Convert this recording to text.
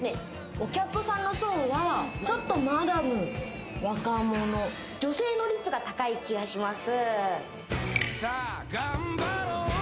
お客さんの層はちょっとマダム、若者、女性の率が高い気がします。